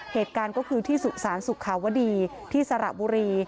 เหตุการณ์ก็คือที่สุสานสุขาวดีที่สระบุรี